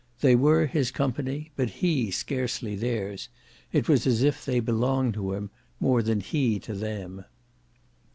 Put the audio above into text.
They were his company but he scarcely theirs; it was as if they belonged to him more than he to them.